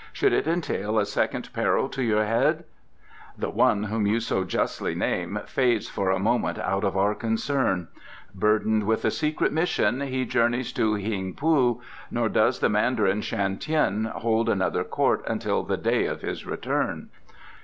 Should it entail a second peril to your head " "The one whom you so justly name fades for a moment out of our concern. Burdened with a secret mission he journeys to Hing poo, nor does the Mandarin Shan Tien hold another court until the day of his return."